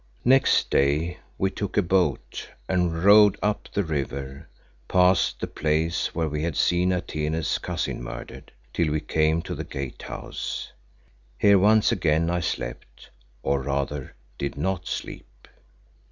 Next day we took boat and rowed up the river, past the place where we had seen Atene's cousin murdered, till we came to the Gate house. Here once again I slept, or rather did not sleep.